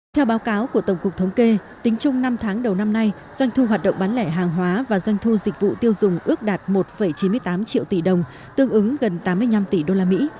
theo báo cáo của tổng cục thống kê tính chung năm tháng đầu năm nay doanh thu hoạt động bán lẻ hàng hóa và doanh thu dịch vụ tiêu dùng ước đạt một chín mươi tám triệu tỷ đồng tương ứng gần tám mươi năm tỷ đô la mỹ